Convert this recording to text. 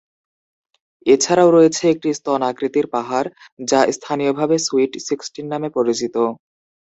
এছাড়াও রয়েছে একটি স্তন আকৃতির পাহাড় যা স্থানীয়ভাবে সুইট সিক্সটিন নামে পরিচিত।